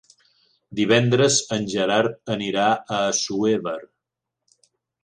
Divendres en Gerard anirà a Assuévar.